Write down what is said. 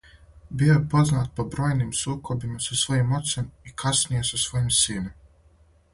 Био је познат по бројним сукобима са својим оцем и касније са својим сином.